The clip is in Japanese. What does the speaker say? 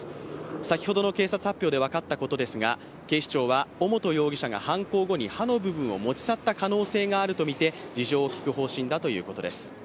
先ほどの警察発表で分かったことですが、警視庁は尾本容疑者が犯行後に刃の部分を持ち去った可能性があるとみて事情を聴く方針だということです。